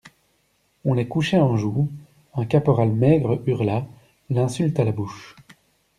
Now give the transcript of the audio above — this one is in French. On les couchait en joue: un caporal maigre hurla, l'insulte à la bouche.